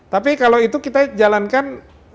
tapi kalau itu kita jalankan